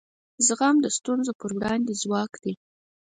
زغم د ستونزو پر وړاندې ځواک دی.